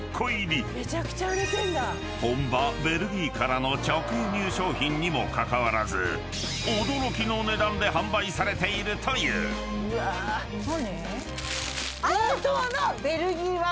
［本場ベルギーからの直輸入商品にもかかわらず驚きの値段で販売されているという］何？